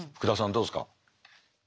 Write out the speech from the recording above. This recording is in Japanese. どうですか？